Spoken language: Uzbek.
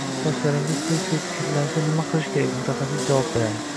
Sochlaringiz tez-tez kirlansa nima qilish kerak? Mutaxassis javob beradi